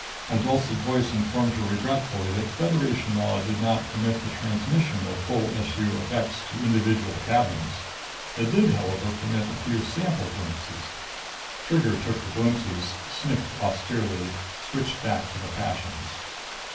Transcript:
A dulcet voice informed her regretfully that Federation Law did not permit the transmission of full SU effects to individual cabins. It did, however, permit a few sample glimpses. Trigger took her glimpses, sniffed austerely, switched back to the fashions.